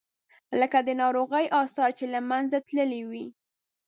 لکه د ناروغۍ آثار چې له منځه تللي وي.